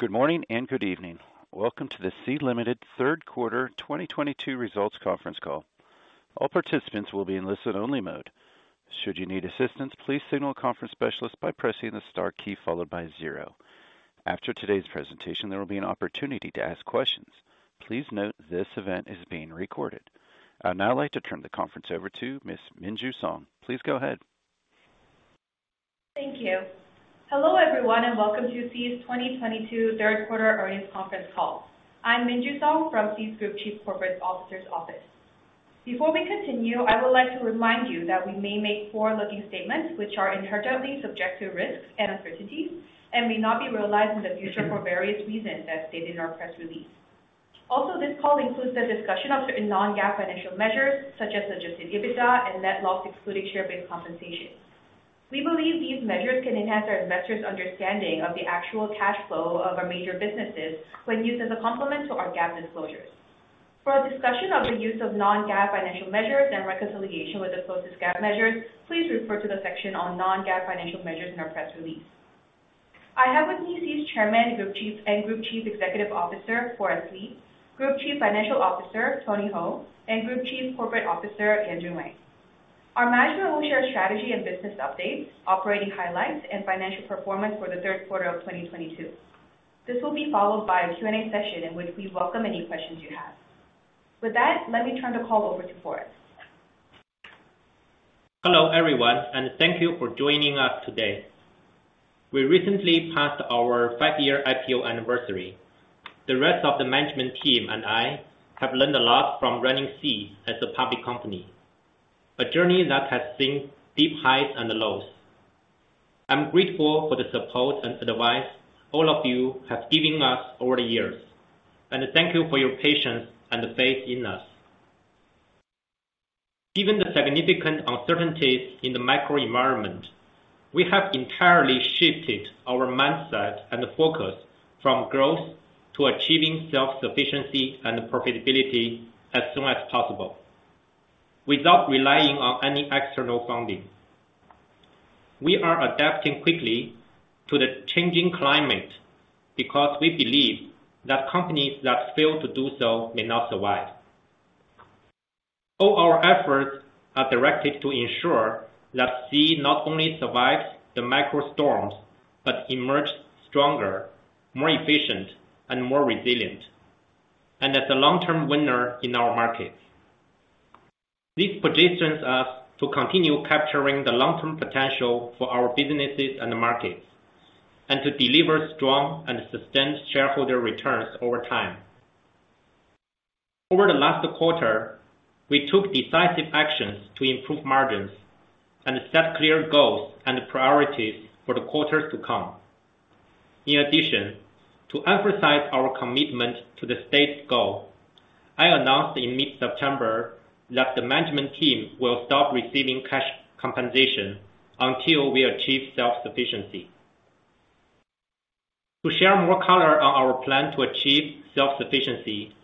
Good morning and good evening. Welcome to the Sea Limited 3rd Quarter 2022 results conference call. All participants will be in listen only mode. Should you need assistance, please signal a conference specialist by pressing the star key followed by 0. After today's presentation, there will be an opportunity to ask questions. Please note this event is being recorded. I'd now like to turn the conference over to Ms. Minju Song. Please go ahead. Thank you. Hello everyone and welcome to Sea's 2022 3rd quarter earnings conference call. I'm Minju Song from Sea's Group Chief Corporate Officer's Office. Before we continue, I would like to remind you that we may make forward-looking statements which are inherently subject to risks and uncertainties and may not be realized in the future for various reasons as stated in our press release. Also, this call includes the discussion of certain non-GAAP financial measures such as adjusted EBITDA and net loss excluding share-based compensation. We believe these measures can enhance our investors understanding of the actual cash flow of our major businesses when used as a complement to our GAAP disclosures. For a discussion of the use of non-GAAP financial measures and reconciliation with the closest GAAP measures, please refer to the section on non-GAAP financial measures in our press release. I have with me Sea's Chairman and Group Chief Executive Officer, Forrest Li, Group Chief Financial Officer, Tony Hou, and Group Chief Corporate Officer, Yanjun Wang. Our management will share strategy and business updates, operating highlights, and financial performance for the 3rd quarter of 2022. This will be followed by a Q&A session in which we welcome any questions you have. With that, let me turn the call over to Forrest. Hello everyone, and thank you for joining us today. We recently passed our 5 year IPO anniversary. The rest of the management team and I have learned a lot from running Sea as a public company, a journey that has seen steep highs and lows. I'm grateful for the support and advice all of you have given us over the years, and thank you for your patience and faith in us. Given the significant uncertainties in the macro environment, we have entirely shifted our mindset and focus from growth to achieving self-sufficiency and profitability as soon as possible without relying on any external funding. We are adapting quickly to the changing climate because we believe that companies that fail to do so may not survive. All our efforts are directed to ensure that Sea not only survives the macro storms, but emerges stronger, more efficient, and more resilient, and as a long-term winner in our markets. This positions us to continue capturing the long-term potential for our businesses and markets, and to deliver strong and sustained shareholder returns over time. Over the last quarter, we took decisive actions to improve margins and set clear goals and priorities for the quarters to come. In addition, to emphasize our commitment to the stated goal, I announced in mid-September that the management team will stop receiving cash compensation until we achieve self-sufficiency. To share more color on our plan to achieve self-sufficiency,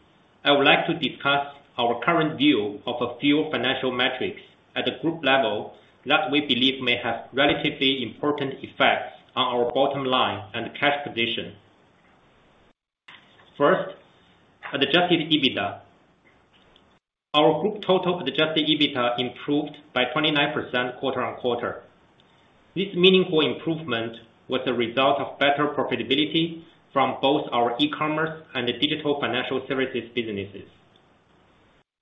I would like to discuss our current view of a few financial metrics at a group level that we believe may have relatively important effects on our bottom line and cash position. First, adjusted EBITDA. Our group total adjusted EBITDA improved by 29% quarter-on-quarter. This meaningful improvement was a result of better profitability from both our e-commerce and digital financial services businesses.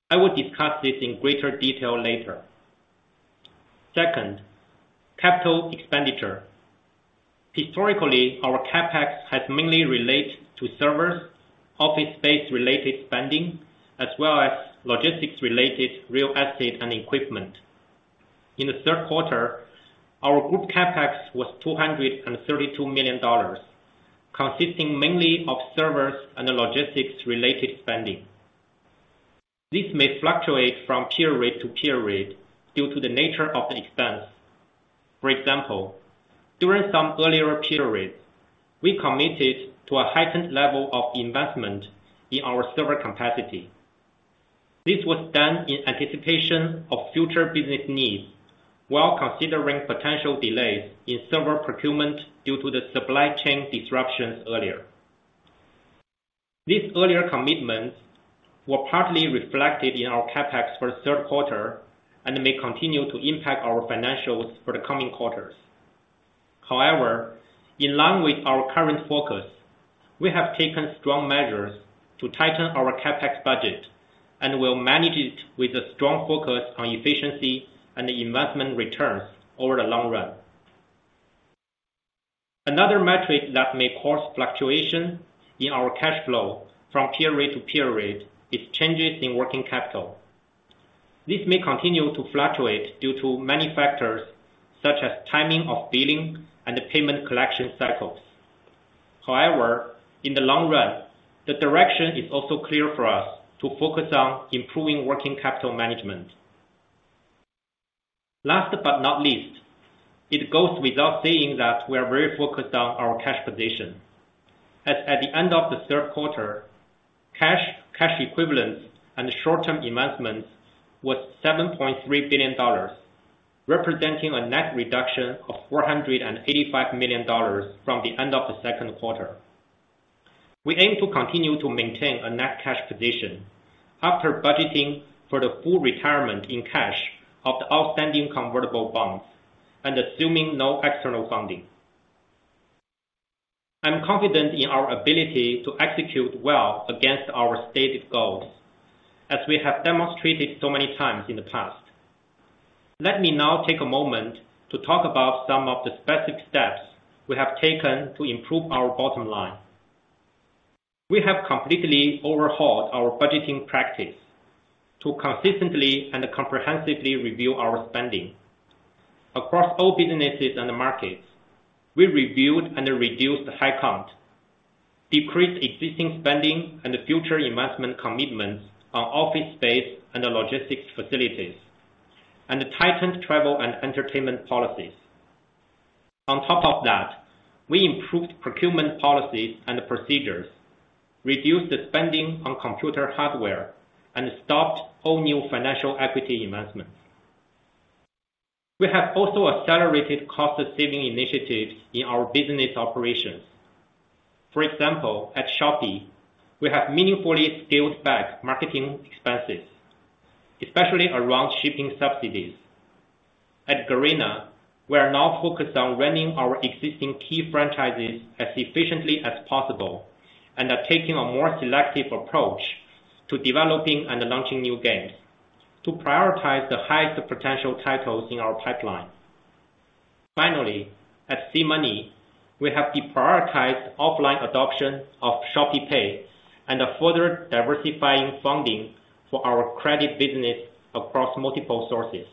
I will discuss this in greater detail later. Second, capital expenditure. Historically, our CapEx has mainly related to servers, office space related spending, as well as logistics related real estate and equipment. In the 3rd quarter, our group CapEx was $232 million, consisting mainly of servers and logistics related spending. This may fluctuate from period to period due to the nature of the expense. For example, during some earlier periods, we committed to a heightened level of investment in our server capacity. This was done in anticipation of future business needs while considering potential delays in server procurement due to the supply chain disruptions earlier. These earlier commitments were partly reflected in our CapEx for the 3rd quarter and may continue to impact our financials for the coming quarters. However, in line with our current focus, we have taken strong measures to tighten our CapEx budget and will manage it with a strong focus on efficiency and investment returns over the long run. Another metric that may cause fluctuation in our cash flow from period to period is changes in working capital. This may continue to fluctuate due to many factors such as timing of billing and payment collection cycles. However, in the long run, the direction is also clear for us to focus on improving working capital management. Last but not least, it goes without saying that we are very focused on our cash position. As at the end of the 3rd quarter. Cash, cash equivalents, and short-term investments was $7.3 billion, representing a net reduction of $485 million from the end of the 2nd quarter. We aim to continue to maintain a net cash position after budgeting for the full retirement in cash of the outstanding convertible bonds and assuming no external funding. I'm confident in our ability to execute well against our stated goals, as we have demonstrated so many times in the past. Let me now take a moment to talk about some of the specific steps we have taken to improve our bottom line. We have completely overhauled our budgeting practice to consistently and comprehensively review our spending. Across all businesses and the markets, we reviewed and reduced the headcount, decreased existing spending and the future investment commitments on office space and the logistics facilities, and tightened travel and entertainment policies. On top of that, we improved procurement policies and procedures, reduced the spending on computer hardware, and stopped all new financial equity investments. We have also accelerated cost-saving initiatives in our business operations. For example, at Shopee, we have meaningfully scaled back marketing expenses, especially around shipping subsidies. At Garena, we are now focused on running our existing key franchises as efficiently as possible, and are taking a more selective approach to developing and launching new games to prioritize the highest potential titles in our pipeline. Finally, at SeaMoney, we have deprioritized offline adoption of ShopeePay and are further diversifying funding for our credit business across multiple sources.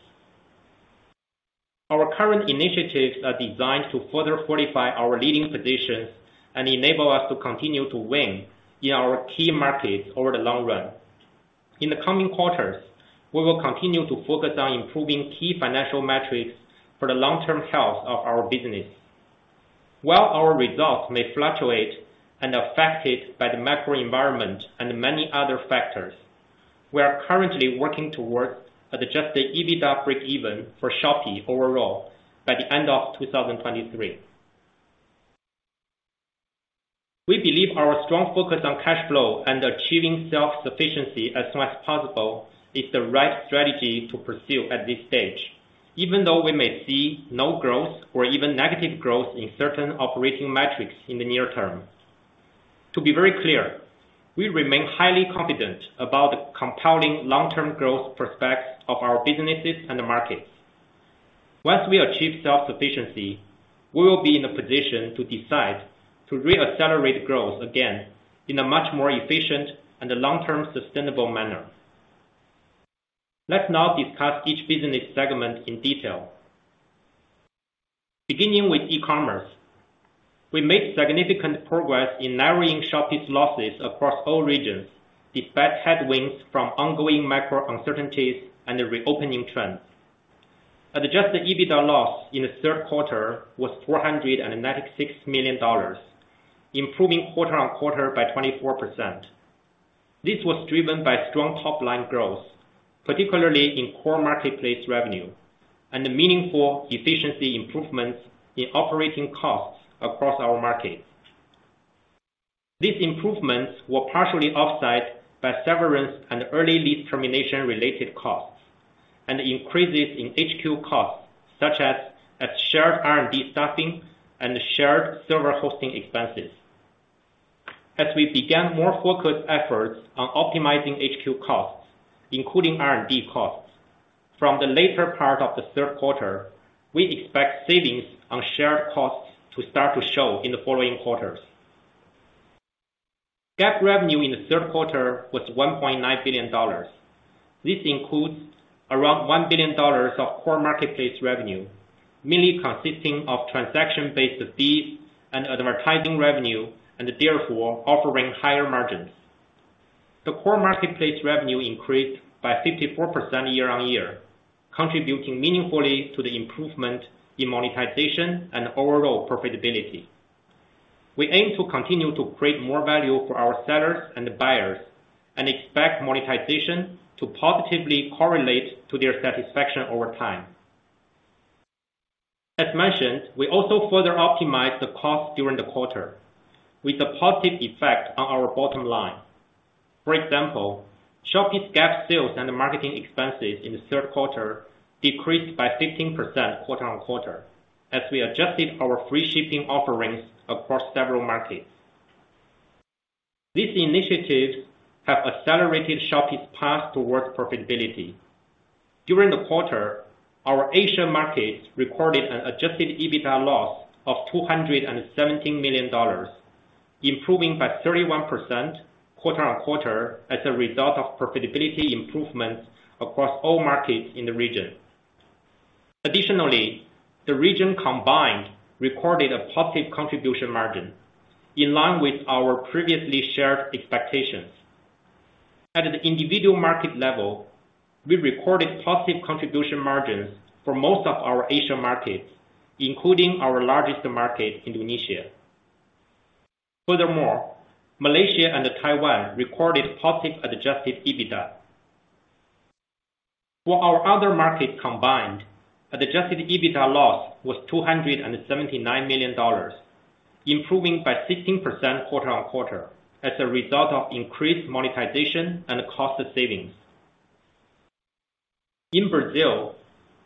Our current initiatives are designed to further fortify our leading positions and enable us to continue to win in our key markets over the long run. In the coming quarters, we will continue to focus on improving key financial metrics for the long-term health of our business. While our results may fluctuate and affected by the macro environment and many other factors, we are currently working towards adjusted EBITDA breakeven for Shopee overall by the end of 2023. We believe our strong focus on cash flow and achieving self-sufficiency as soon as possible is the right strategy to pursue at this stage, even though we may see no growth or even negative growth in certain operating metrics in the near term. To be very clear, we remain highly confident about the compelling long-term growth prospects of our businesses and the markets. Once we achieve self-sufficiency, we will be in a position to decide to re-accelerate growth again in a much more efficient and a long-term sustainable manner. Let's now discuss each business segment in detail. Beginning with e-commerce. We made significant progress in narrowing Shopee's losses across all regions, despite headwinds from ongoing macro uncertainties and the reopening trends. Adjusted EBITDA loss in the 3rd quarter was $496 million, improving quarter-over-quarter by 24%. This was driven by strong top-line growth, particularly in core marketplace revenue and the meaningful efficiency improvements in operating costs across our markets. These improvements were partially offset by severance and early lease termination related costs, and increases in HQ costs, such as shared R&D staffing and shared server hosting expenses. As we began more focused efforts on optimizing HQ costs, including R&D costs, from the later part of the 3rd quarter, we expect savings on shared costs to start to show in the following quarters. GAAP revenue in the 3rd quarter was $1.9 billion. This includes around $1 billion of core marketplace revenue, mainly consisting of transaction-based fees and advertising revenue, and therefore offering higher margins. The core marketplace revenue increased by 54% year-on-year, contributing meaningfully to the improvement in monetization and overall profitability. We aim to continue to create more value for our sellers and buyers, and expect monetization to positively correlate to their satisfaction over time. As mentioned, we also further optimized the cost during the quarter with a positive effect on our bottom line. For example, Shopee's GAAP sales and marketing expenses in the 3rd quarter decreased by 15% quarter-on-quarter as we adjusted our free shipping offerings across several markets. These initiatives have accelerated Shopee's path towards profitability. During the quarter, our Asia markets recorded an adjusted EBITDA loss of $217 million, improving by 31% quarter-on-quarter as a result of profitability improvements across all markets in the region. Additionally, the region combined recorded a positive contribution margin in line with our previously shared expectations. At the individual market level, we recorded positive contribution margins for most of our Asian markets, including our largest market, Indonesia. Furthermore, Malaysia and Taiwan recorded positive adjusted EBITDA. For our other markets combined, adjusted EBITDA loss was $279 million, improving by 16% quarter-on-quarter as a result of increased monetization and cost savings. In Brazil,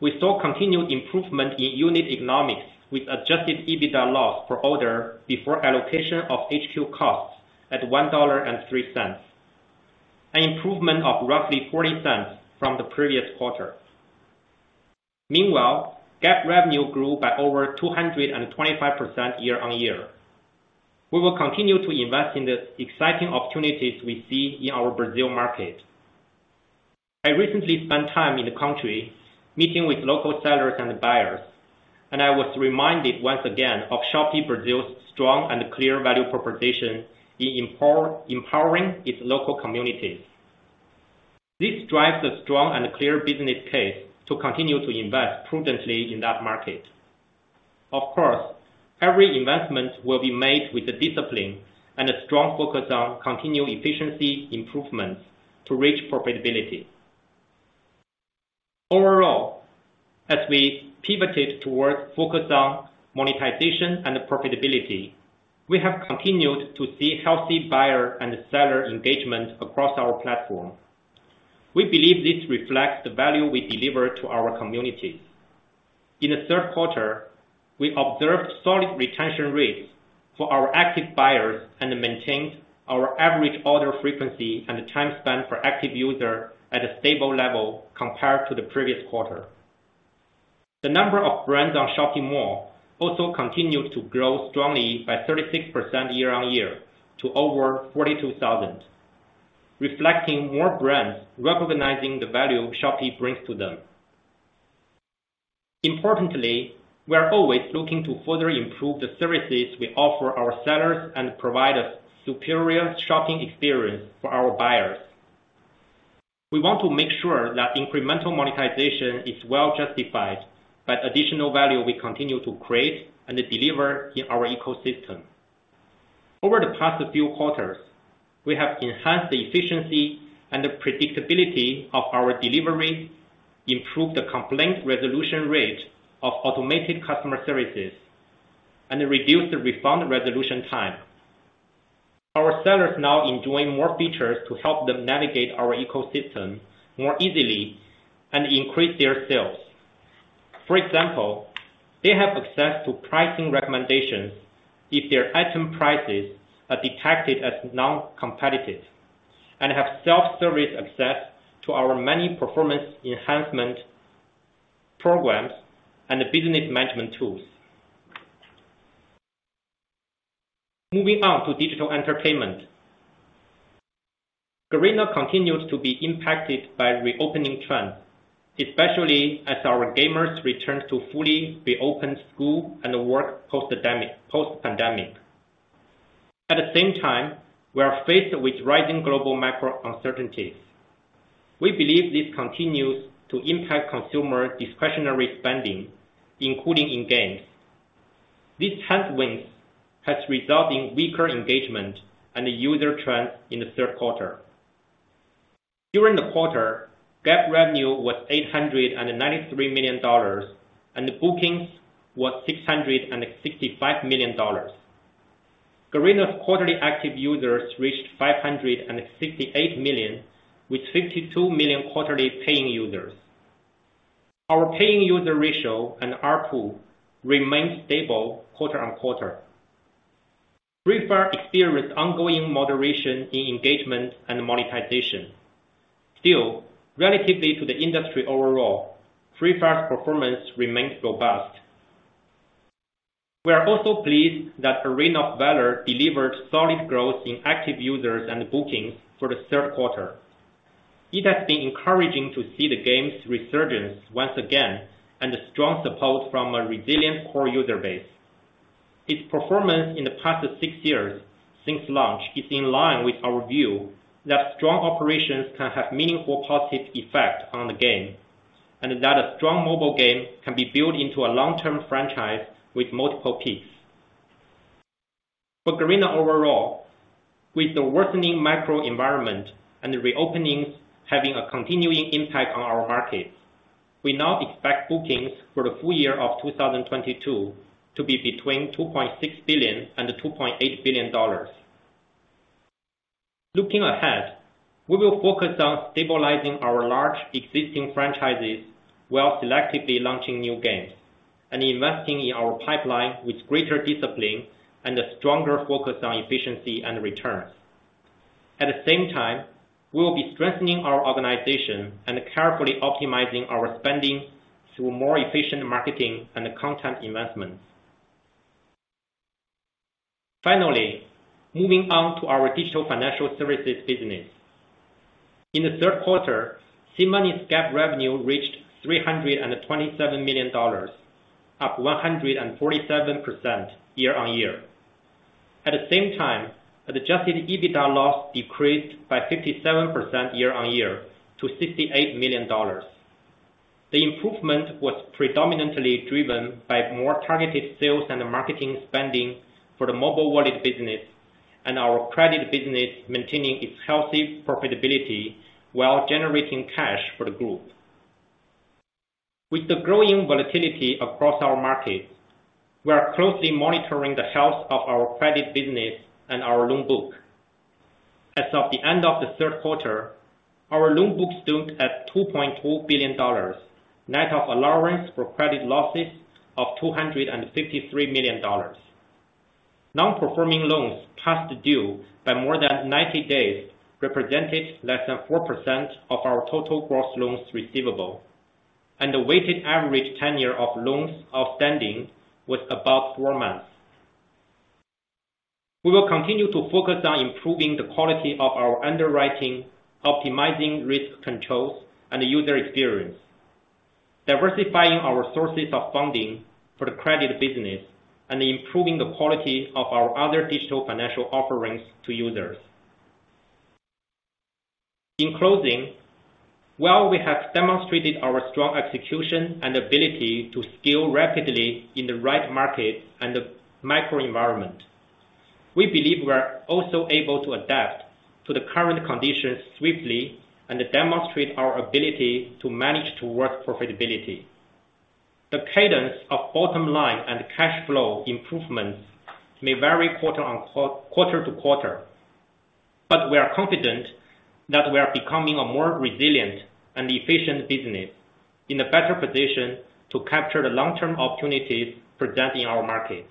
we saw continued improvement in unit economics with adjusted EBITDA loss per order before allocation of HQ costs at $1.03. An improvement of roughly $0.40 from the previous quarter. Meanwhile, GAAP revenue grew by over 225% year-on-year. We will continue to invest in the exciting opportunities we see in our Brazil market. I recently spent time in the country meeting with local sellers and buyers, and I was reminded once again of Shopee Brazil's strong and clear value proposition in empowering its local communities. This drives a strong and clear business case to continue to invest prudently in that market. Of course, every investment will be made with the discipline and a strong focus on continued efficiency improvements to reach profitability. Overall, as we pivoted towards focus on monetization and profitability, we have continued to see healthy buyer and seller engagement across our platform. We believe this reflects the value we deliver to our communities. In the 3rd quarter, we observed solid retention rates for our active buyers, and maintained our average order frequency and time spent per active user at a stable level compared to the previous quarter. The number of brands on Shopee Mall also continued to grow strongly by 36% year-on-year to over 42,000, reflecting more brands recognizing the value Shopee brings to them. Importantly, we are always looking to further improve the services we offer our sellers and provide a superior shopping experience for our buyers. We want to make sure that incremental monetization is well justified by additional value we continue to create and deliver in our ecosystem. Over the past few quarters, we have enhanced the efficiency and the predictability of our delivery, improved the complaint resolution rate of automated customer services, and reduced the refund resolution time. Our sellers now enjoy more features to help them navigate our ecosystem more easily and increase their sales. For example, they have access to pricing recommendations if their item prices are detected as non-competitive, and have self-service access to our many performance enhancement programs and business management tools. Moving on to digital entertainment. Garena continues to be impacted by reopening trends, especially as our gamers return to fully reopened school and work post-pandemic. At the same time, we are faced with rising global macro uncertainties. We believe this continues to impact consumer discretionary spending, including in games. These headwinds has resulted in weaker engagement and user trends in the 3rd quarter. During the quarter, GAAP revenue was $893 million, and bookings was $665 million. Garena's quarterly active users reached 568 million, with 52 million quarterly paying users. Our paying user ratio and ARPU remained stable quarter-over-quarter. Free Fire experienced ongoing moderation in engagement and monetization. Still, relatively to the industry overall, Free Fire's performance remains robust. We are also pleased that Arena of Valor delivered solid growth in active users and bookings for the 3rd quarter. It has been encouraging to see the game's resurgence once again and the strong support from a resilient core user base. Its performance in the past 6 years since launch is in line with our view that strong operations can have meaningful positive effect on the game, and that a strong mobile game can be built into a long-term franchise with multiple peaks. For Garena overall, with the worsening macro environment and reopenings having a continuing impact on our markets, we now expect bookings for the full year of 2022 to be between $2.6 billion and $2.8 billion. Looking ahead, we will focus on stabilizing our large existing franchises while selectively launching new games, and investing in our pipeline with greater discipline and a stronger focus on efficiency and returns. At the same time, we will be strengthening our organization and carefully optimizing our spending through more efficient marketing and content investments. Finally, moving on to our digital financial services business. In the 3rd quarter, SeaMoney's GAAP revenue reached $327 million, up 147% year-on-year. At the same time, adjusted EBITDA loss decreased by 57% year-on-year to $68 million. The improvement was predominantly driven by more targeted sales and marketing spending for the mobile wallet business and our credit business maintaining its healthy profitability while generating cash for the group. With the growing volatility across our markets, we are closely monitoring the health of our credit business and our loan book. As of the end of the 3rd quarter, our loan book stood at $2.2 billion, net of allowance for credit losses of $253 million. Non-performing loans past due by more than 90 days represented less than 4% of our total gross loans receivable, and the weighted average tenure of loans outstanding was about 4 months. We will continue to focus on improving the quality of our underwriting, optimizing risk controls and user experience, diversifying our sources of funding for the credit business, and improving the quality of our other digital financial offerings to users. In closing, while we have demonstrated our strong execution and ability to scale rapidly in the right market and the macro environment, we believe we are also able to adapt to the current conditions swiftly and demonstrate our ability to manage towards profitability. The cadence of bottom line and cash flow improvements may vary quarter to quarter, but we are confident that we are becoming a more resilient and efficient business in a better position to capture the long-term opportunities present in our markets.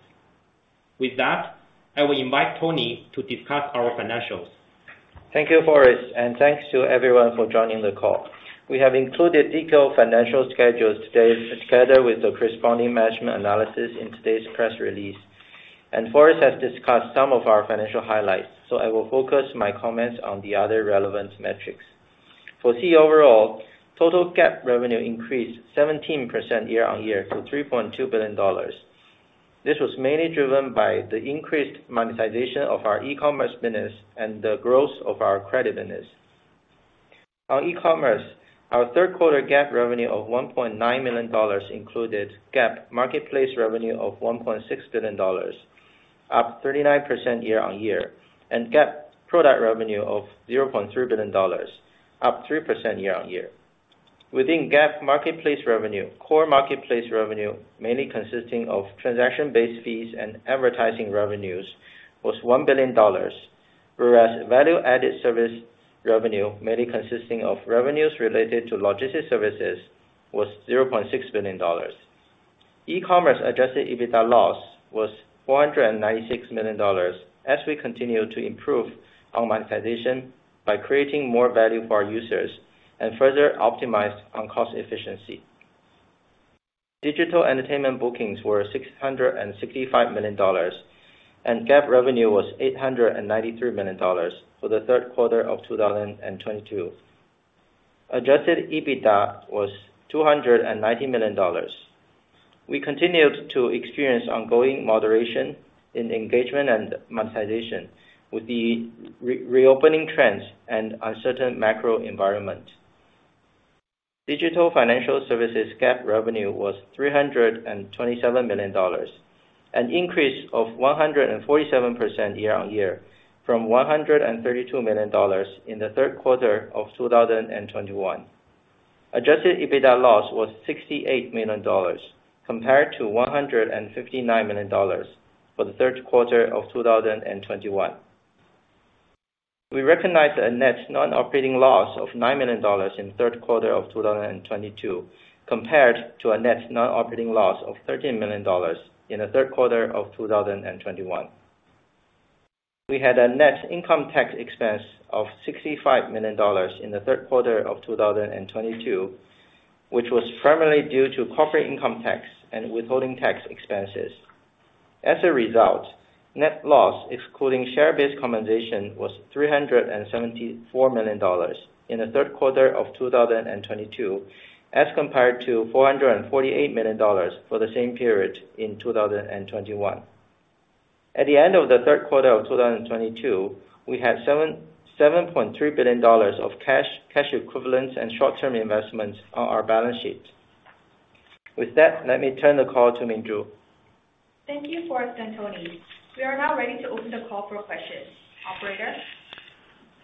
With that, I will invite Tony to discuss our financials. Thank you, Forrest, and thanks to everyone for joining the call. We have included detailed financial schedules today, together with the corresponding management analysis in today's press release. Forrest has discussed some of our financial highlights, so I will focus my comments on the other relevant metrics. For Sea overall, total GAAP revenue increased 17% year-on-year to $3.2 billion. This was mainly driven by the increased monetization of our e-commerce business and the growth of our credit business. On e-commerce, our 3rd quarter GAAP revenue of $1.9 million included GAAP marketplace revenue of $1.6 billion, up 39% year-on-year, and GAAP product revenue of $0.3 billion, up 3% year-on-year. Within GAAP marketplace revenue, core marketplace revenue, mainly consisting of transaction-based fees and advertising revenues, was $1 billion, whereas value-added service revenue, mainly consisting of revenues related to logistics services, was $0.6 billion. E-commerce adjusted EBITDA loss was $496 million as we continue to improve our monetization by creating more value for our users and further optimize on cost efficiency. Digital entertainment bookings were $665 million, and GAAP revenue was $893 million for the 3rd quarter of 2022. Adjusted EBITDA was $290 million. We continued to experience ongoing moderation in engagement and monetization with the reopening trends and uncertain macro environment. Digital financial services GAAP revenue was $327 million, an increase of 147% year-on-year from $132 million in the 3rd quarter of 2021. Adjusted EBITDA loss was $68 million compared to $159 million for the 3rd quarter of 2021. We recognized a net non-operating loss of $9 million in the 3rd quarter of 2022 compared to a net non-operating loss of $13 million in the 3rd quarter of 2021. We had a net income tax expense of $65 million in the 3rd quarter of 2022, which was primarily due to corporate income tax and withholding tax expenses. As a result, net loss excluding share-based compensation was $374 million in the 3rd quarter of 2022, as compared to $448 million for the same period in 2021. At the end of the 3rd quarter of 2022, we had $7.3 billion of cash equivalents, and short-term investments on our balance sheet. With that, let me turn the call to Minju Song. Thank you, Forrest and Tony. We are now ready to open the call for questions. Operator?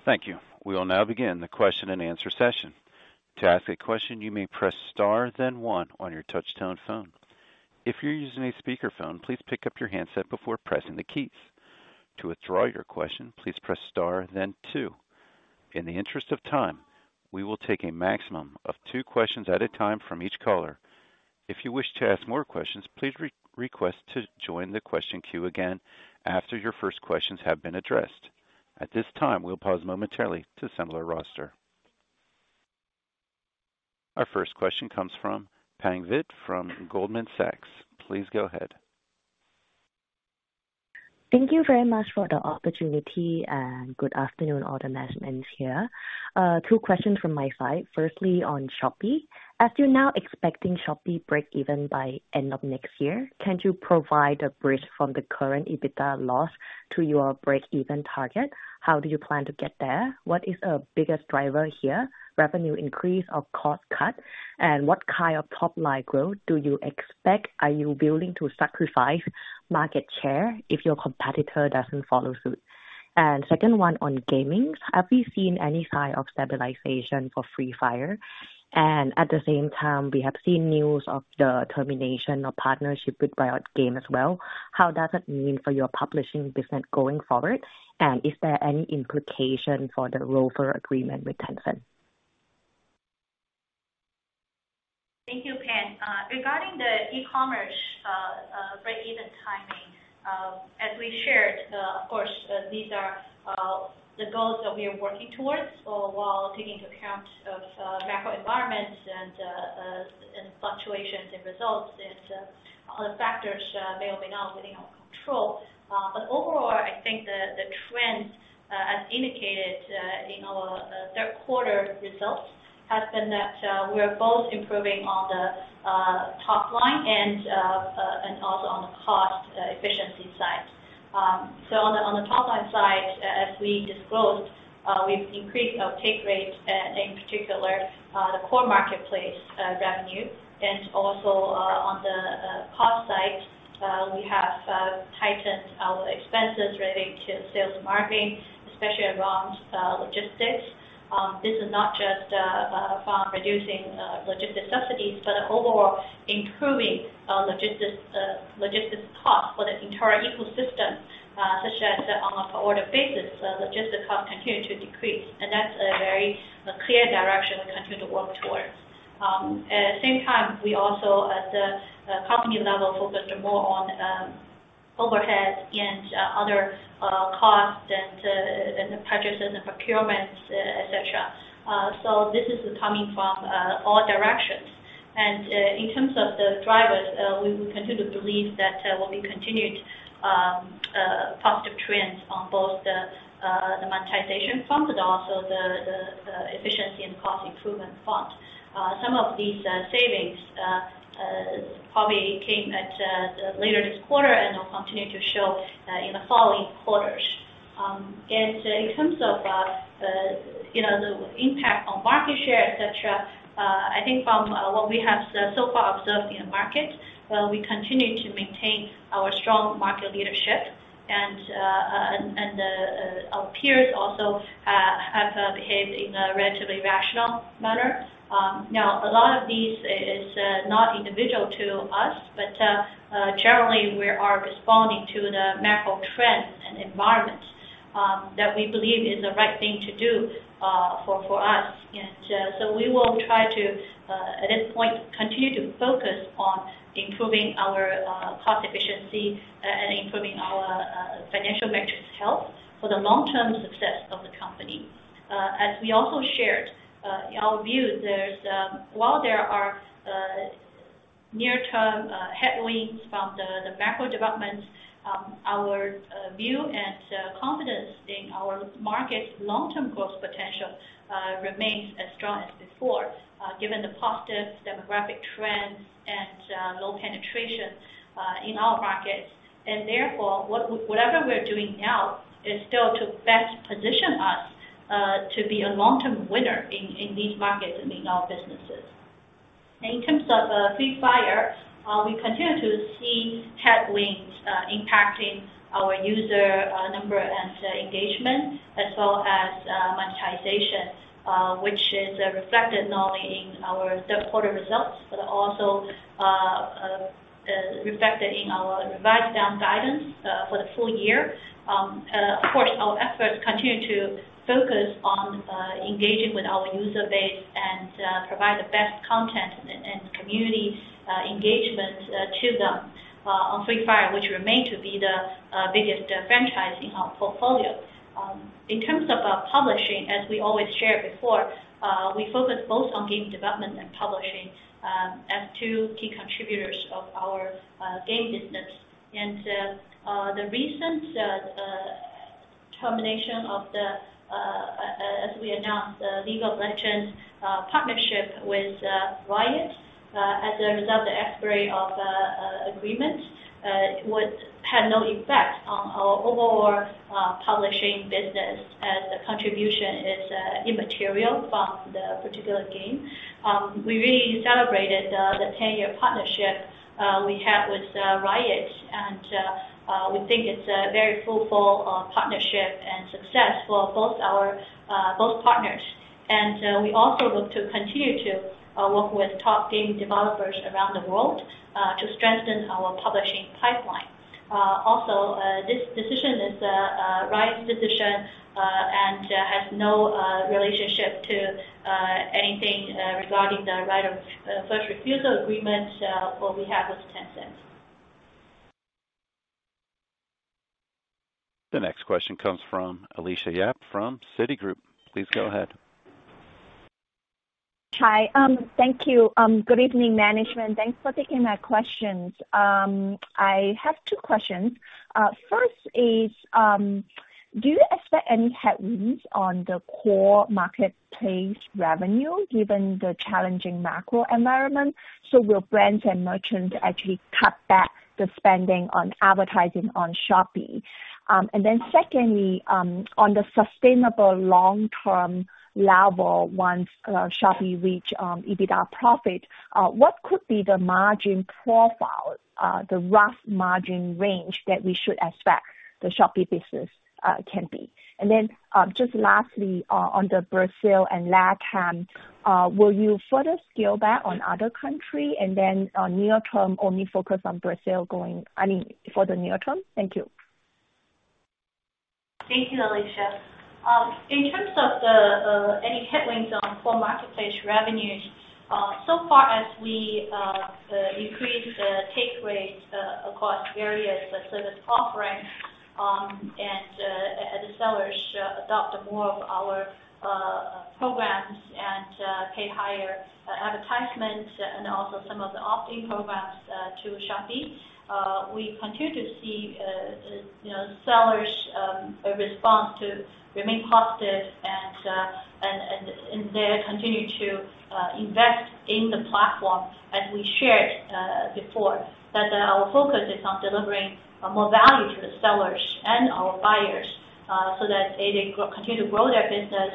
Thank you. We will now begin the question-and-answer session. To ask a question, you may press star then 1 on your touch-tone phone. If you're using a speakerphone, please pick up your handset before pressing the keys. To withdraw your question, please press star then 2. In the interest of time, we will take a maximum of 2 questions at a time from each caller. If you wish to ask more questions, please re-request to join the question queue again after your first questions have been addressed. At this time, we'll pause momentarily to assemble our roster. Our first question comes from Pang Vittayaamnuaykoon from Goldman Sachs. Please go ahead. Thank you very much for the opportunity, and good afternoon, all the management here. 2 questions from my side. Firstly, on Shopee. As you're now expecting Shopee breakeven by end of next year, can you provide a bridge from the current EBITDA loss to your breakeven target? How do you plan to get there? What is the biggest driver here, revenue increase or cost cut? And what kind of top-line growth do you expect? Are you willing to sacrifice market share if your competitor doesn't follow suit? Second one on gaming. Have you seen any sign of stabilization for Free Fire? And at the same time, we have seen news of the termination of partnership with Riot Games as well. How does it mean for your publishing business going forward? And is there any implication for the rollover agreement with Tencent? Thank you, Pang. Regarding the e-commerce breakeven timing, as we shared, of course, these are the goals that we are working towards while taking into account of macro environments and fluctuations in results and other factors may or may not within our control. Overall, I think the trend as indicated in our 3rd quarter results has been that we are both improving on the top line and also on the cost efficiency side. On the top line side, as we disclosed, we've increased our take rate in particular the core marketplace revenue. Also, on the cost side, we have tightened our expenses related to sales and marketing, especially around logistics. This is not just from reducing logistics subsidies, but overall improving logistics costs for the entire ecosystem, such as on a per order basis, logistics costs continue to decrease. That's a very clear direction we continue to work towards. At the same time, we also at the company level focused more on overhead and other costs and the purchases and procurements, etc. This is coming from all directions. In terms of the drivers, we continue to believe that we'll see continued positive trends on both the monetization front, but also the efficiency and cost improvement front. Some of these savings probably came later this quarter and will continue to show in the following quarters. In terms of the, you know, the impact on market share, etc., I think from what we have so far observed in the market, we continue to maintain our strong market leadership. Our peers also have behaved in a relatively rational manner. Now, a lot of these is not individual to us, but generally we are responding to the macro trends and environments that we believe is the right thing to do for us. We will try to, at this point, continue to focus on improving our cost efficiency and improving our financial metrics health for the long-term success of the company. As we also shared our view, there's while there are near-term headwinds from the macro developments, our view and confidence in our market's long-term growth potential remains as strong as before, given the positive demographic trends and low penetration in our markets. Therefore, whatever we're doing now is still to best position us to be a long-term winner in these markets and in our businesses. In terms of Free Fire, we continue to see headwinds impacting our user number and engagement, as well as monetization, which is reflected not in our 3rd quarter results, but also reflected in our revised down guidance for the full year. Of course, our efforts continue to focus on engaging with our user base and provide the best content and community engagement to them on Free Fire, which remain to be the biggest franchising portfolio. In terms of publishing, as we always shared before, we focus both on game development and publishing as two key contributors of our game business. The recent termination of the, as we announced, the League of Legends partnership with Riot Games, as a result of the expiry of agreements, would have no effect on our overall publishing business as the contribution is immaterial from the particular game. We really celebrated the ten-year partnership we have with Riot Games, and we think it's a very fruitful partnership and success for both partners. We also look to continue to work with top game developers around the world to strengthen our publishing pipeline. Also, this decision is Riot Games's decision, and has no relationship to anything regarding the right of first refusal agreement what we have with Tencent. The next question comes from Alicia Yap from Citigroup. Please go ahead. Hi. Thank you. Good evening, management. Thanks for taking my questions. I have 2 questions. First is, do you expect any headwinds on the core marketplace revenue given the challenging macro environment? Will brands and merchants actually cut back the spending on advertising on Shopee? Secondly, on the sustainable long-term level, once Shopee reach EBITDA profit, what could be the margin profile, the rough margin range that we should expect the Shopee business can be? Just lastly, on the Brazil and LATAM, will you further scale back on other country and then on near term only focus on Brazil going, I mean, for the near term? Thank you. Thank you, Alicia. In terms of the any headwinds on poor marketplace revenues, so far as we increase the take rates across various service offerings, and as the sellers adopt more of our programs and pay higher advertisements and also some of the opt-in programs to Shopee, we continue to see, you know, sellers response to remain positive and they continue to invest in the platform as we shared before. Our focus is on delivering more value to the sellers and our buyers, so that they can continue to grow their business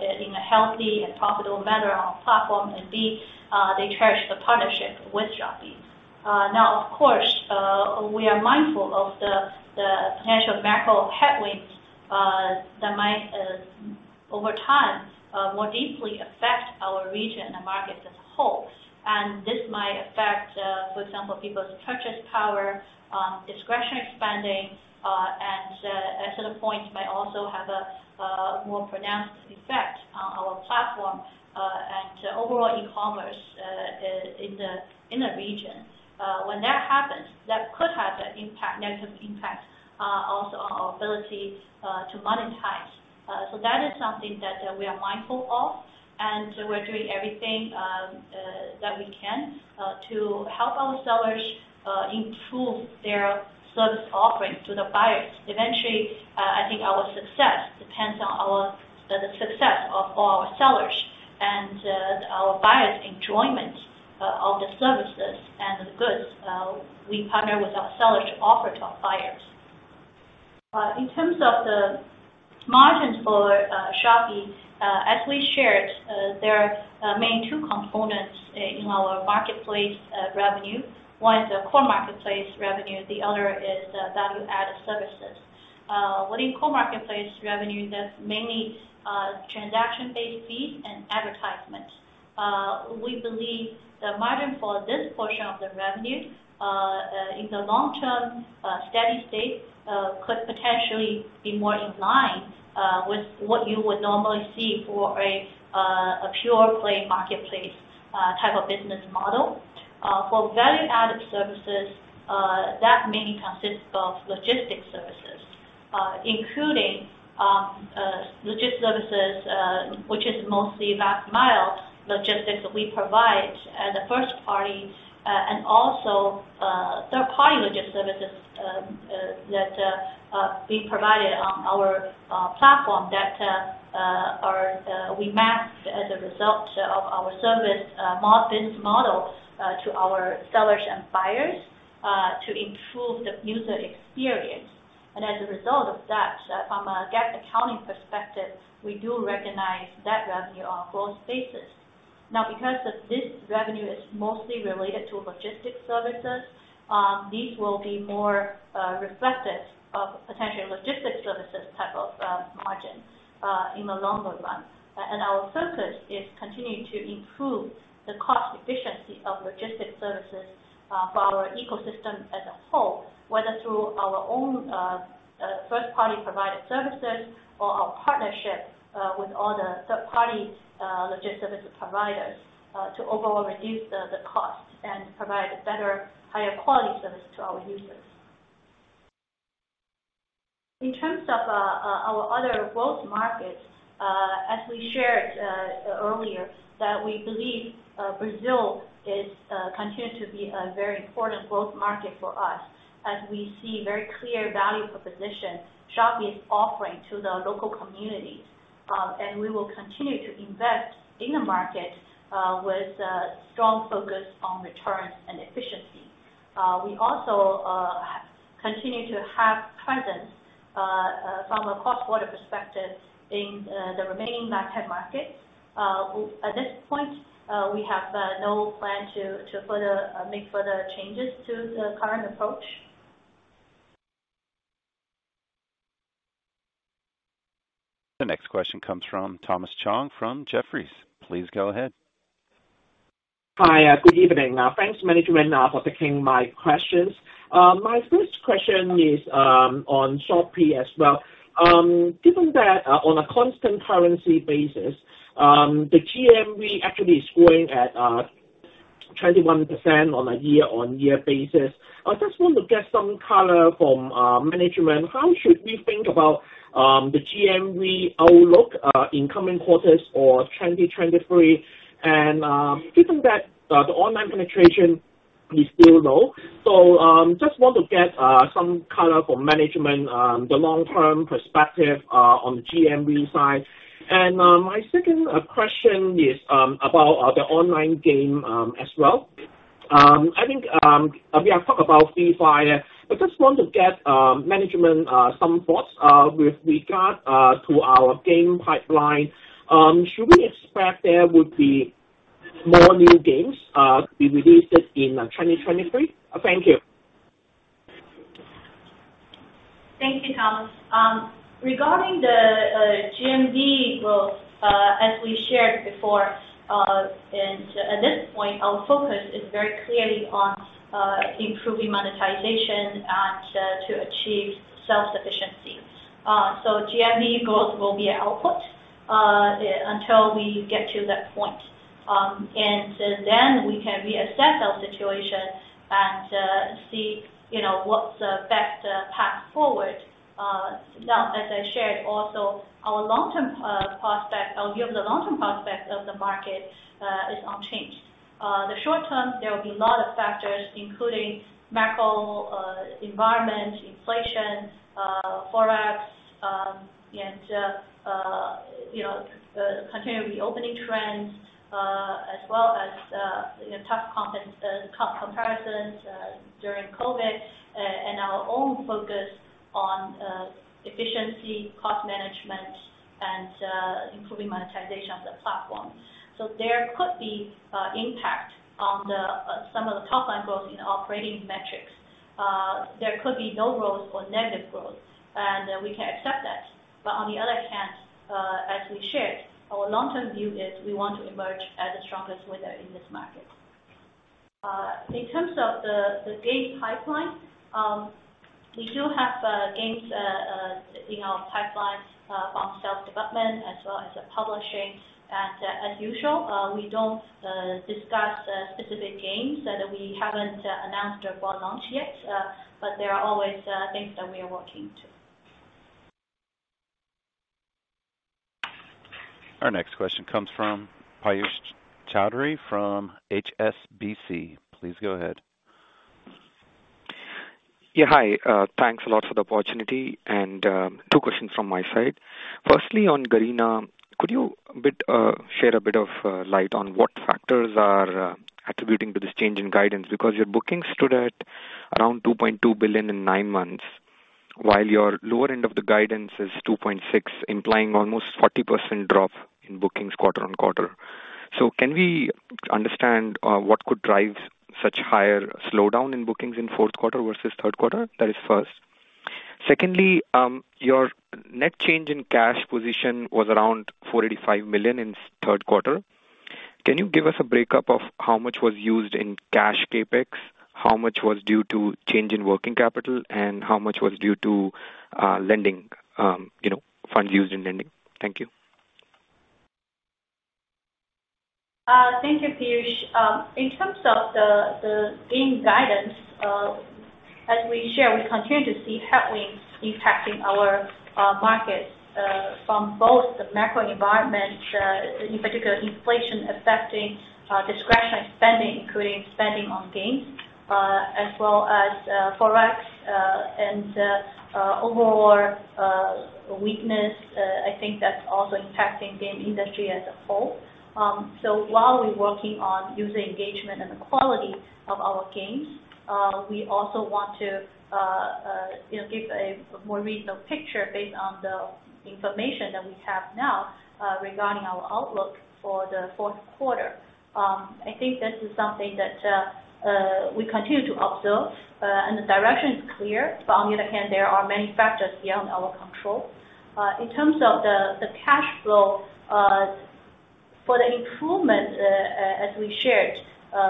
in a healthy and profitable manner on our platform. Indeed, they cherish the partnership with Shopee. Now, of course, we are mindful of the potential macro headwinds that might, over time, more deeply affect our region and market as a whole. This might affect, for example, people's purchasing power, discretionary spending, and, as to the point, may also have a more pronounced effect on our platform and overall e-commerce in the region. When that happens, that could have an impact, negative impact, also on our ability to monetize. That is something that we are mindful of, and we're doing everything that we can to help our sellers improve their service offering to the buyers. Eventually, I think our success depends on the success of our sellers and our buyers' enjoyment of the services and the goods we partner with our sellers to offer to our buyers. In terms of the margins for Shopee, as we shared, there are mainly two components in our marketplace revenue. One is the core marketplace revenue, the other is the value-added services. Within core marketplace revenue, that's mainly transaction-based fees and advertisements. We believe the margin for this portion of the revenue in the long term steady state could potentially be more in line with what you would normally see for a pure play marketplace type of business model. For value-added services, that mainly consists of logistics services, including logistics services, which is mostly last-mile logistics that we provide as a first party, and also 3rd party logistics services that we provide on our platform that are we match as a result of our services business model to our sellers and buyers to improve the user experience. As a result of that, from a GAAP accounting perspective, we do recognize that revenue on gross basis. Now, because of this revenue is mostly related to logistics services, these will be more reflective of potential logistics services type of margin in the longer run. Our focus is continuing to improve the cost efficiency of logistics services for our ecosystem as a whole, whether through our own 1st party provided services or our partnerships with other 3rd parties logistics services providers to overall reduce the costs and provide a better, higher quality service to our users. In terms of our other growth markets, as we shared earlier, that we believe Brazil continues to be a very important growth market for us as we see very clear value proposition Shopee is offering to the local communities. We will continue to invest in the market with a strong focus on returns and efficiency. We also continue to have presence from a cross-border perspective in the remaining LATAM markets. At this point, we have no plan to further make further changes to the current approach. The next question comes from Thomas Chong from Jefferies. Please go ahead. Hi. Good evening. Thanks management for taking my questions. My first question is on Shopee as well. Given that on a constant currency basis the GMV actually is growing at 21% on a year-on-year basis. I just want to get some color from management. How should we think about the GMV outlook in coming quarters for 2023? Given that the online penetration is still low, so just want to get some color from management on the long-term perspective on the GMV side. My second question is about the online game as well. I think we have talked about Free Fire. I just want to get management some thoughts with regard to our game pipeline. Should we expect there would be more new games to be released in 2023? Thank you. Thank you, Thomas. Regarding the GMV growth, as we shared before, and at this point, our focus is very clearly on improving monetization and to achieve self-sufficiency. GMV growth will be output until we get to that point. Then we can reassess our situation and see, you know, what's the best path forward. Now, as I shared also, our view of the long-term prospect of the market is unchanged. The short term, there will be a lot of factors including macro environment, inflation, Forex, and you know, the continuing reopening trends, as well as you know, tough comparisons during COVID, and our own focus on efficiency, cost management and improving monetization of the platform. There could be impact on some of the top line growth in operating metrics. There could be no growth or negative growth, and we can accept that. On the other hand, as we shared, our long-term view is we want to emerge as the strongest winner in this market. In terms of the game pipeline, we do have games in our pipelines from self-development as well as publishing. As usual, we don't discuss specific games that we haven't announced or launched yet, but there are always things that we are working to. Our next question comes from Piyush Choudhary from HSBC. Please go ahead. Yeah. Hi, thanks a lot for the opportunity, and 2 questions from my side. Firstly, on Garena, could you shed a bit of light on what factors are contributing to this change in guidance? Because your bookings stood at around $2.2 billion in 9 months, while your lower end of the guidance is $2.6 billion, implying almost 40% drop in bookings quarter-on-quarter. Can we understand what could drive such higher slowdown in bookings in 4th quarter versus 3rd quarter? That is first. Secondly, your net change in cash position was around $485 million in 3rd quarter. Can you give us a breakdown of how much was used in cash CapEx, how much was due to change in working capital, and how much was due to lending, you know, funds used in lending? Thank you. Thank you, Piyush. In terms of the game guidance, as we share, we continue to see headwinds impacting our markets from both the macro environment, in particular inflation affecting discretionary spending, including spending on games, as well as Forex and overall weakness. I think that's also impacting game industry as a whole. While we're working on user engagement and the quality of our games, we also want to you know, give a more reasonable picture based on the information that we have now regarding our outlook for the 4th quarter. I think this is something that we continue to observe and the direction is clear. On the other hand, there are many factors beyond our control. In terms of the cash flow for the improvement, as we shared,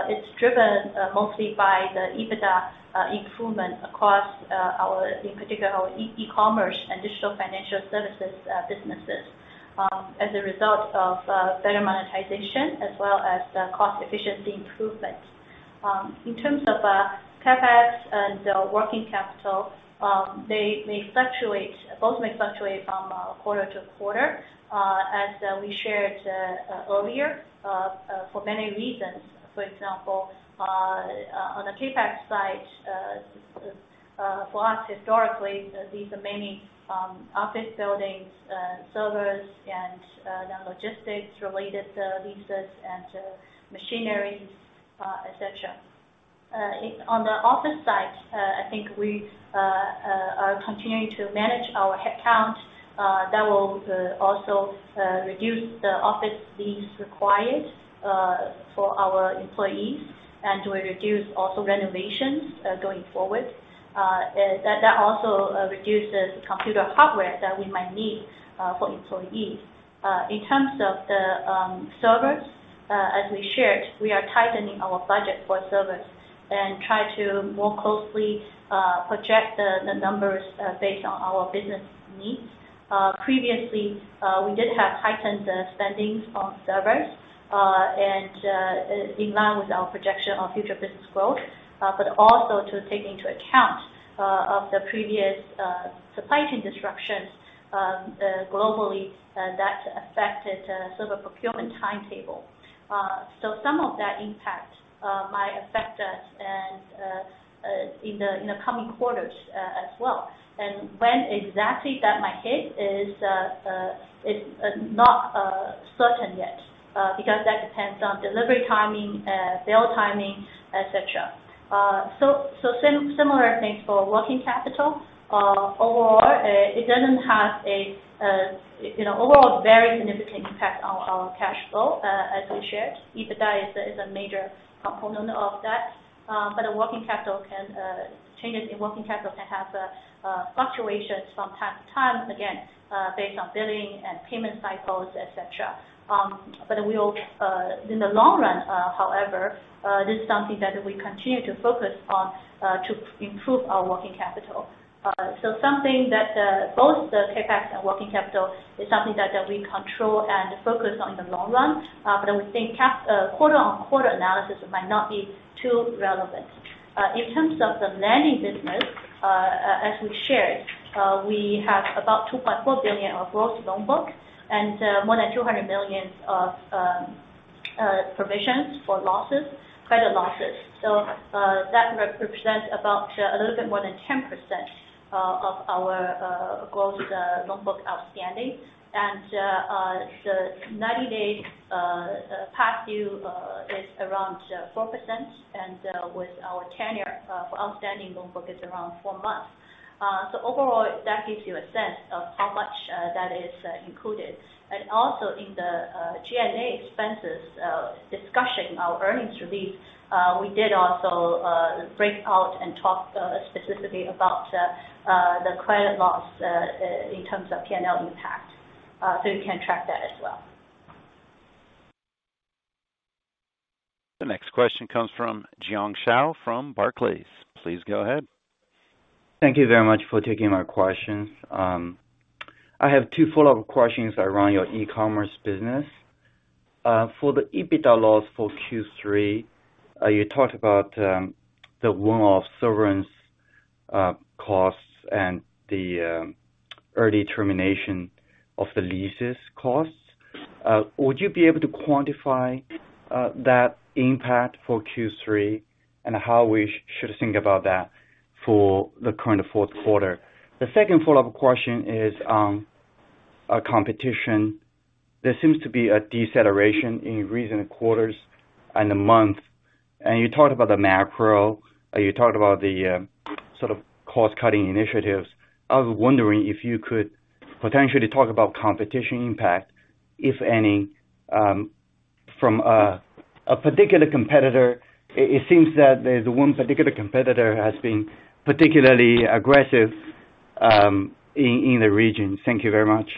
it's driven mostly by the EBITDA improvement across our, in particular, our e-commerce and digital financial services businesses, as a result of better monetization as well as the cost efficiency improvements. In terms of CapEx and the working capital, they may fluctuate. Both may fluctuate from quarter to quarter, as we shared earlier, for many reasons. For example, on the CapEx side, for us historically, these are mainly office buildings, servers and the logistics related leases and machineries, et cetera. On the office side, I think we are continuing to manage our headcount that will also reduce the office lease required for our employees and will reduce also renovations going forward. That also reduces computer hardware that we might need for employees. In terms of the servers, as we shared, we are tightening our budget for servers. Try to more closely project the numbers based on our business needs. Previously, we did have heightened spending on servers and in line with our projection of future business growth, but also to take into account of the previous supply chain disruptions globally that affected sort of procurement timetable. Some of that impact might affect us and in the coming quarters as well. When exactly that might hit is not certain yet because that depends on delivery timing, bill timing, et cetera. Similar things for working capital. Overall, it doesn't have a you know overall very significant impact on our cash flow as we shared. EBITDA is a major component of that. Changes in working capital can have fluctuations from time to time, again, based on billing and payment cycles, et cetera. In the long run, however, this is something that we continue to focus on to improve our working capital. Something that both the CapEx and working capital is something that we control and focus on the long run. We think quarter-on-quarter analysis might not be too relevant. In terms of the lending business, as we shared, we have about $2.4 billion gross loan book and more than $200 million of provisions for losses, credit losses. That represents about a little bit more than 10% of our gross loan book outstanding. The 90 days past due is around 4%. With our tenor for outstanding loan book is around four months. Overall that gives you a sense of how much that is included. Also in the G&A expenses discussion, our earnings release, we did also break out and talk specifically about the credit loss in terms of P&L impact, so you can track that as well. The next question comes from Jiong Shao from Barclays. Please go ahead. Thank you very much for taking my questions. I have two follow-up questions around your e-commerce business. For the EBITDA loss for Q3, you talked about the one-off severance costs and the early termination of the leases costs. Would you be able to quantify that impact for Q3 and how we should think about that for the current 4th quarter? The second follow-up question is on competition. There seems to be a deceleration in recent quarters and the month, and you talked about the macro, the sort of cost-cutting initiatives. I was wondering if you could potentially talk about competition impact, if any, from a particular competitor. It seems that there's one particular competitor has been particularly aggressive in the region. Thank you very much.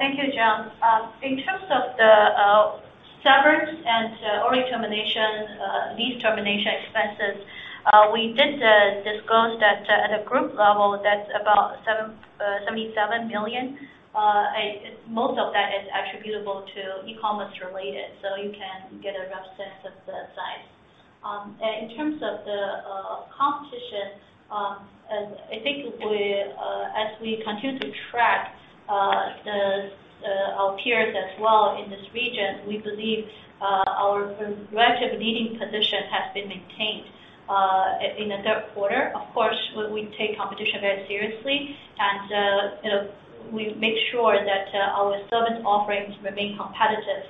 Thank you, Jiong. In terms of the severance and early termination, lease termination expenses, we did disclose that at a group level, that's about $77 million. Most of that is attributable to e-commerce related, so you can get a rough sense of the size. In terms of the competition, I think, as we continue to track our peers as well in this region, we believe our relative leading position has been maintained in the 3rd quarter. Of course, we take competition very seriously and, you know, we make sure that our service offerings remain competitive.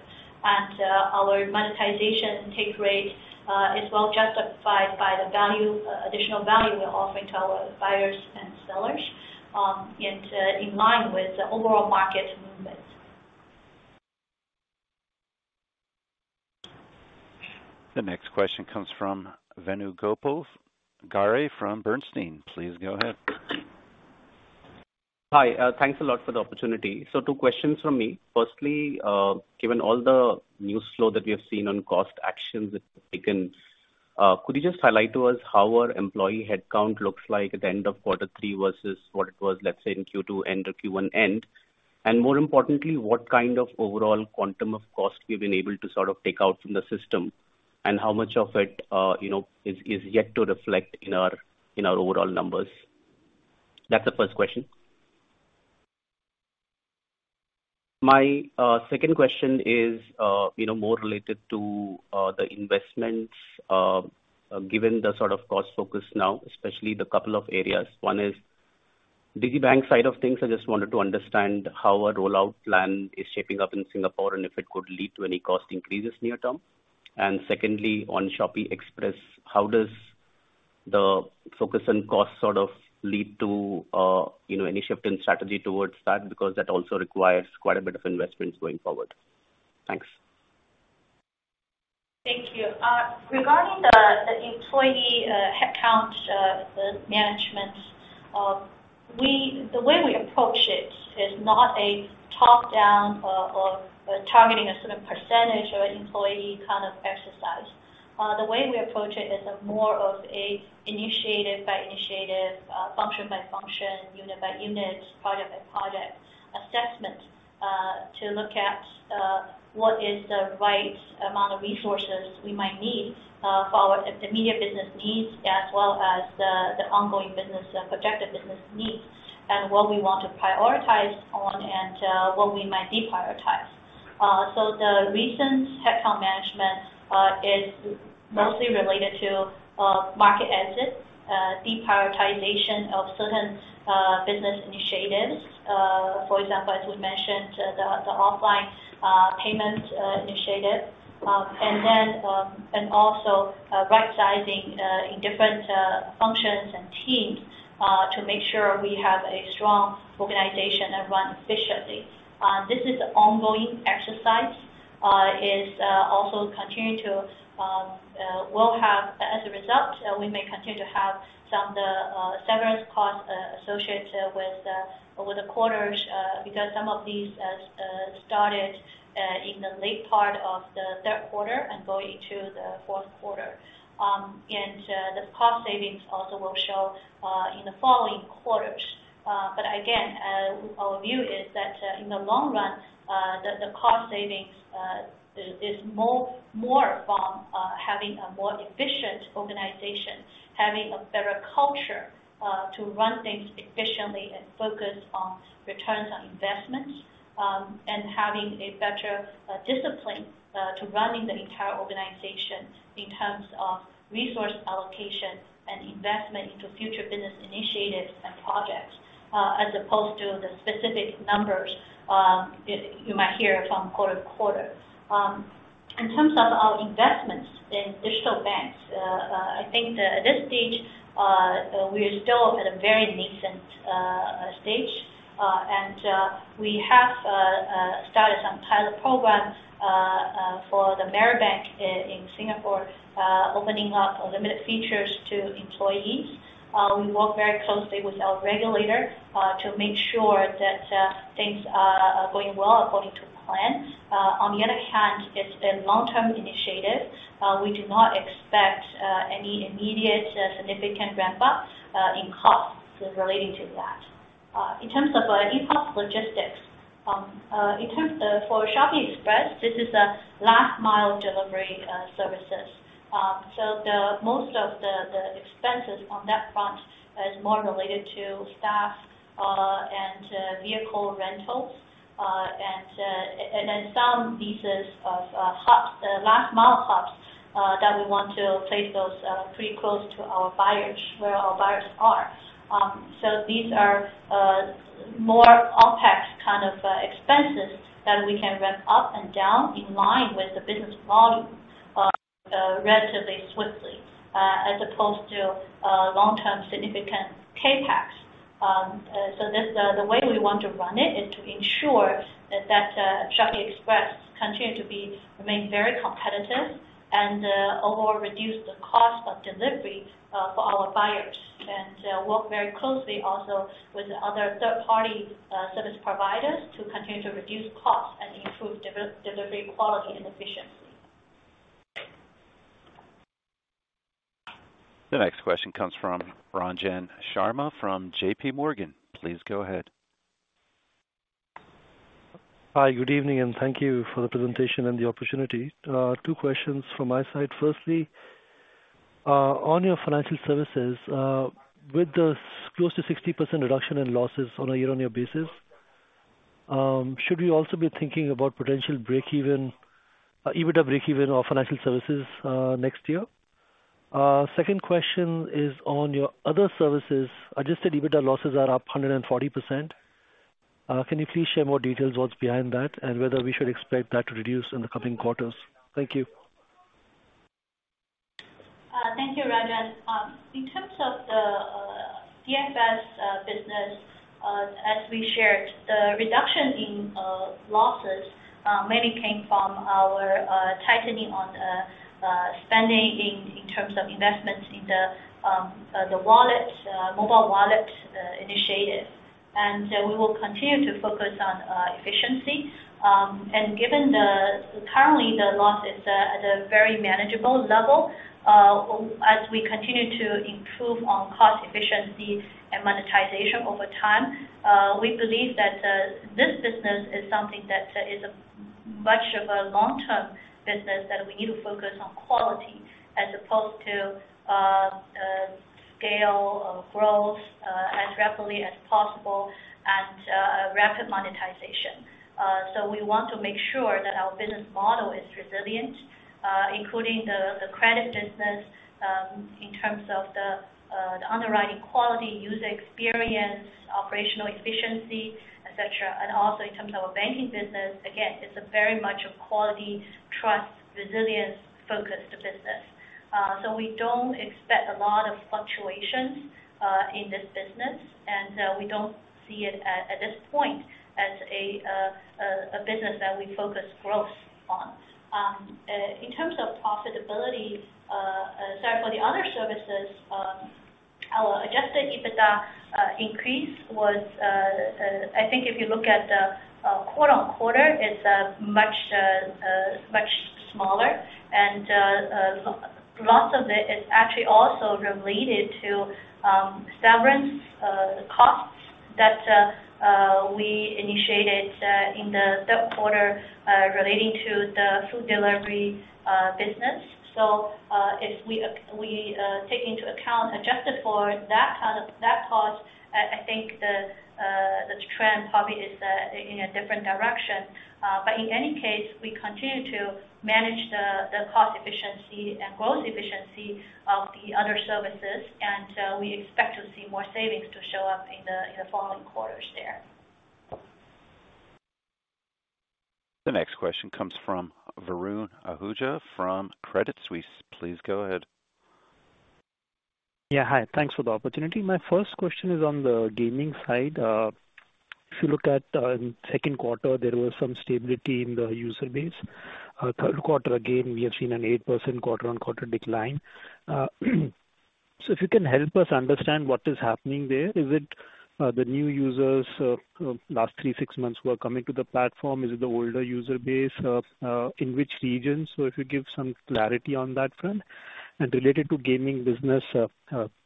Our monetization take rate is well justified by the value, additional value we are offering to our buyers and sellers, and in line with the overall market movements. The next question comes from Venugopal Garre from Bernstein. Please go ahead. Hi. Thanks a lot for the opportunity. 2 questions from me. Firstly, given all the news flow that we have seen on cost actions that have taken, could you just highlight to us how our employee headcount looks like at the end of quarter 3 versus what it was, let's say, in Q2 and Q1 end? More importantly, what kind of overall quantum of cost you've been able to sort of take out from the system, and how much of it, you know, is yet to reflect in our overall numbers? That's the first question. My second question is, you know, more related to the investments, given the sort of cost focus now, especially the couple of areas. One is MariBank side of things. I just wanted to understand how a rollout plan is shaping up in Singapore and if it could lead to any cost increases near term. Secondly, on Shopee Express, how does the focus on cost sort of lead to any shift in strategy towards that? Because that also requires quite a bit of investments going forward. Thanks. Thank you. Regarding the employee headcounts management, the way we approach it is not a top-down or targeting a certain percentage or employee kind of exercise. The way we approach it is more of an initiative by initiative, function by function, unit by unit, project by project assessment to look at what is the right amount of resources we might need for the immediate business needs as well as the ongoing business projected business needs and what we want to prioritize on and what we might deprioritize. The recent headcount management is mostly related to market exit, deprioritization of certain business initiatives. For example, as we mentioned, the offline payment initiative. Rightsizing in different functions and teams to make sure we have a strong organization that run efficiently. This is ongoing exercise. As a result, we may continue to have some of the severance costs associated with the quarters because some of these has started in the late part of the 3rd quarter and going to the fourth quarter. The cost savings also will show in the following quarters. Our view is that in the long run the cost savings is more from having a more efficient organization, having a better culture to run things efficiently and focus on returns on investments and having a better discipline to running the entire organization in terms of resource allocation and investment into future business initiatives and projects as opposed to the specific numbers you might hear from quarter to quarter. In terms of our investments in digital banks I think that at this stage we are still at a very nascent stage. We have started some pilot programs for the MariBank in Singapore opening up limited features to employees. We work very closely with our regulator to make sure that things are going well according to plan. On the other hand, it's a long-term initiative. We do not expect any immediate significant ramp-up in costs relating to that. In terms of e-commerce logistics for Shopee Express, this is a last mile delivery services. So the most of the expenses on that front is more related to staff and vehicle rentals. And then some leases of hubs, the last mile hubs, that we want to place those pretty close to our buyers, where our buyers are. These are more OpEx kind of expenses that we can ramp up and down in line with the business volume, relatively swiftly, as opposed to long-term significant CapEx. The way we want to run it is to ensure that Shopee Express continue to remain very competitive and overall reduce the cost of delivery for our buyers. Work very closely also with other 3rd-party service providers to continue to reduce costs and improve delivery quality and efficiency. The next question comes from Ranjan Sharma from JPMorgan. Please go ahead. Hi. Good evening, and thank you for the presentation and the opportunity. 2 questions from my side. Firstly, on your financial services, with the close to 60% reduction in losses on a year-on-year basis, should we also be thinking about potential breakeven, EBITDA breakeven of financial services, next year? Second question is on your other services. Adjusted EBITDA losses are up 140%. Can you please share more details what's behind that and whether we should expect that to reduce in the coming quarters? Thank you. Thank you, Ranjan. In terms of the DFS business, as we shared, the reduction in losses mainly came from our tightening on spending in terms of investments in the wallets, mobile wallets initiative. We will continue to focus on efficiency. Given the current loss is at a very manageable level. As we continue to improve on cost efficiency and monetization over time, we believe that this business is something that is much of a long-term business that we need to focus on quality as opposed to scale, growth as rapidly as possible and rapid monetization. We want to make sure that our business model is resilient, including the credit business, in terms of the underwriting quality, user experience, operational efficiency, et cetera. Also in terms of our banking business, again, it's a very much a quality, trust, resilience-focused business. We don't expect a lot of fluctuations in this business, and we don't see it at this point as a business that we focus growth. In terms of profitability, sorry, for the other services, our adjusted EBITDA increase was, I think if you look at the quarter-over-quarter, it's much smaller and lots of it is actually also related to severance costs that we initiated in the 3rd quarter relating to the food delivery business. If we take into account adjusted for that cost, I think the trend probably is in a different direction. In any case, we continue to manage the cost efficiency and growth efficiency of the other services. We expect to see more savings to show up in the following quarters there. The next question comes from Varun Ahuja from Credit Suisse. Please go ahead. Yeah, hi. Thanks for the opportunity. My first question is on the gaming side. If you look at second quarter, there was some stability in the user base. 3rd quarter, again, we have seen an 8% quarter-on-quarter decline. So if you can help us understand what is happening there. Is it the new users last 3, 6 months who are coming to the platform? Is it the older user base? In which regions? So if you give some clarity on that front. Related to gaming business,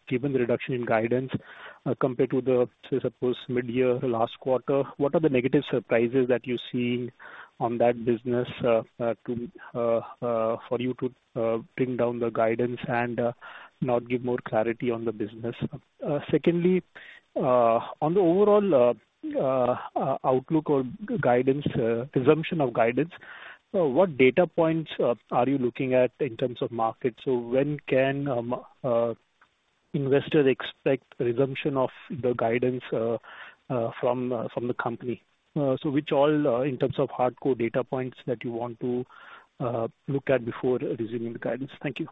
given the reduction in guidance, compared to the, say, suppose mid-year last quarter, what are the negative surprises that you're seeing on that business, to, for you to, bring down the guidance and, not give more clarity on the business? Secondly, on the overall outlook or guidance, resumption of guidance, what data points are you looking at in terms of market? When can investors expect resumption of the guidance from the company? Which all in terms of hardcore data points that you want to look at before resuming the guidance? Thank you.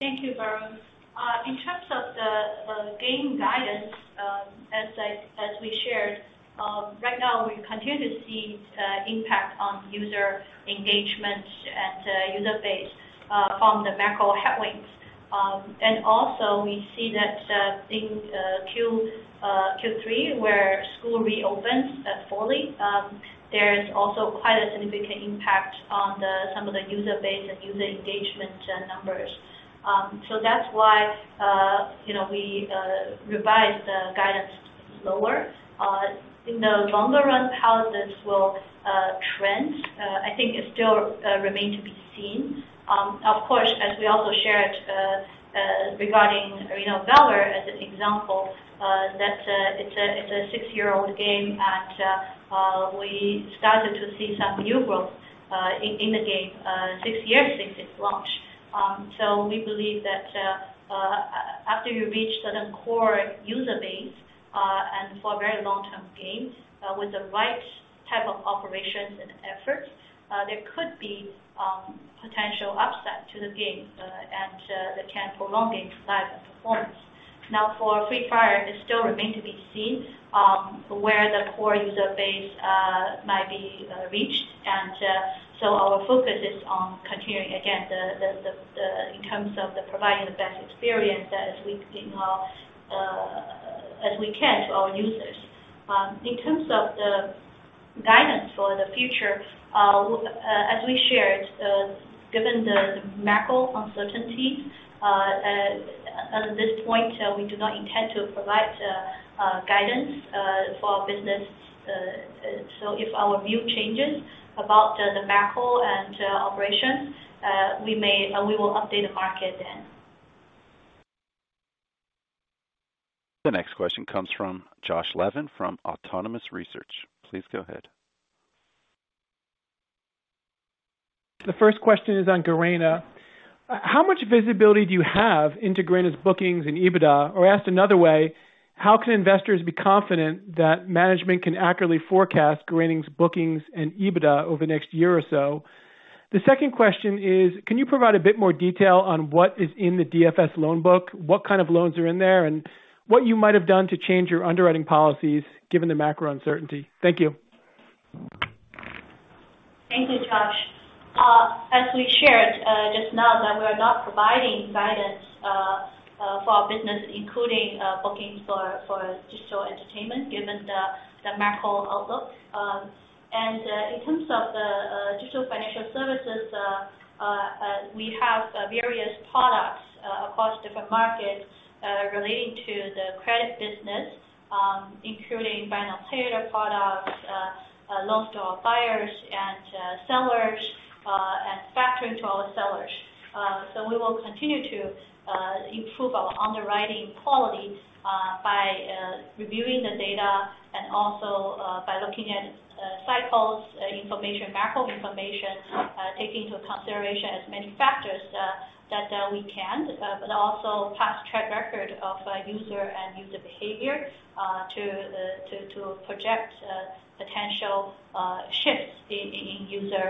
Thank you, Varun. In terms of the game guidance, as we shared, right now we continue to see impact on user engagement and user base from the macro headwinds. Also we see that in Q3, where school reopens fully, there is also quite a significant impact on some of the user base and user engagement numbers. That's why you know we revised the guidance lower. In the longer run, how this will trend, I think it still remain to be seen. Of course, as we also shared, regarding, you know, Valor as an example, that it's a 6 year-old game and we started to see some new growth in the game 6 years since its launch. We believe that after you reach certain core user base and for very long-term games with the right type of operations and effort there could be potential upside to the games and that can prolong the life and performance. Now, for Free Fire, it still remain to be seen where the core user base might be reached. Our focus is on continuing, again, in terms of providing the best experience as we can to our users. In terms of the guidance for the future, as we shared, given the macro uncertainty, at this point, we do not intend to provide guidance for our business. If our view changes about the macro and operation, we will update the market then. The next question comes from Josh Levin from Autonomous Research. Please go ahead. The first question is on Garena. How much visibility do you have into Garena's bookings and EBITDA? Or asked another way, how can investors be confident that management can accurately forecast Garena's bookings and EBITDA over the next year or so? The second question is, can you provide a bit more detail on what is in the DFS loan book? What kind of loans are in there, and what you might have done to change your underwriting policies given the macro uncertainty? Thank you. Thank you, Josh. As we shared just now that we're not providing guidance for our business, including bookings for digital entertainment, given the macro outlook. In terms of the digital financial services, we have various products across different markets relating to the credit business, including buy now, pay later products, loans to our buyers and sellers, and factoring to our sellers. We will continue to improve our underwriting quality by reviewing the data and also by looking at cyclical information, macro information, take into consideration as many factors that we can, but also past track record of user behavior to project potential shifts in user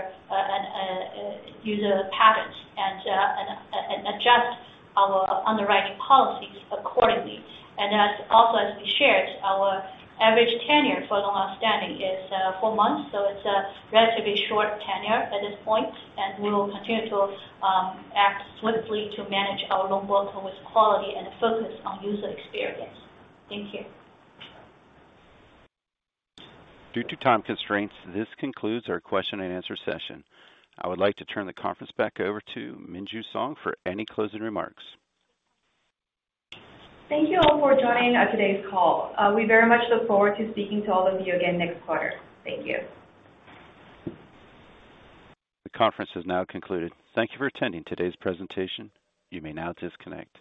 patterns and adjust our underwriting policies accordingly. As we also shared, our average tenure for loan outstanding is 4 months, so it's a relatively short tenure at this point, and we will continue to act swiftly to manage our loan portfolio with quality and a focus on user experience. Thank you. Due to time constraints, this concludes our question and answer session. I would like to turn the conference back over to Minju Song for any closing remarks. Thank you all for joining, today's call. We very much look forward to speaking to all of you again next quarter. Thank you. The conference has now concluded. Thank you for attending today's presentation. You may now disconnect.